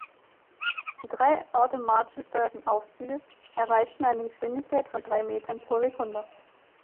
Die drei automatisch gesteuerten Aufzüge erreichten eine Geschwindigkeit von drei Metern pro Sekunde.